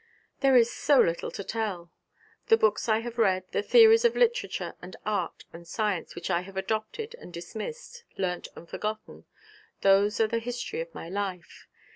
'There is so little to tell. The books I have read, the theories of literature and art and science which I have adopted and dismissed, learnt and forgotten those are the history of my life.